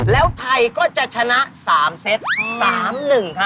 แล้วทัยก็จะชนะ๓เซต๓๑